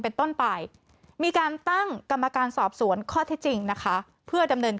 เป็นต้นไปมีการตั้งกรรมการสอบสวนข้อเท็จจริงนะคะเพื่อดำเนิน